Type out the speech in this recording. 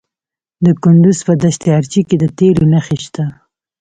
د کندز په دشت ارچي کې د تیلو نښې شته.